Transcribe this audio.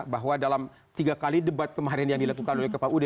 bahwa dalam tiga kali debat kemarin yang dilakukan oleh kpud